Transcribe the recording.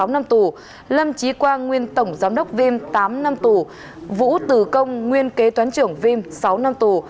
một mươi năm tù lâm trí quang nguyên tổng giám đốc vim tám năm tù vũ từ công nguyên kế toán trưởng vim sáu năm tù